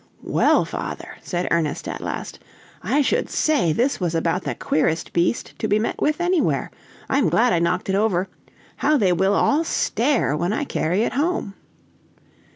"Well, father," said Ernest at last, "I should say this was about the queerest beast to be met with anywhere. I am glad I knocked it over. How they will all stare when I carry it home!"